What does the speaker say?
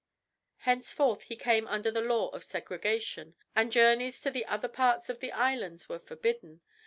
Henceforth he came under the law of segregation, and journeys to the ether parts of the islands were forbidden.